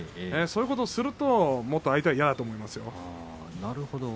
そういうことをするともっと相手は嫌だと思いますよ。